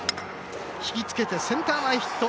ひきつけてセンター前ヒット。